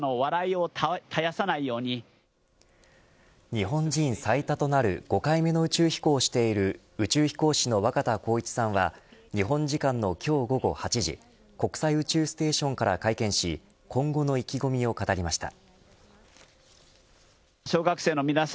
日本人最多としている５回目の宇宙飛行をしている国際宇宙飛行士の若田光一さんは日本時間の今日８時国際宇宙ステーションから会見し今後の意気込みを語りました。